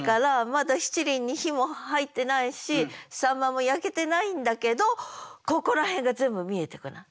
まだ七輪に火も入ってないし秋刀魚も焼けてないんだけどここら辺が全部見えてこない？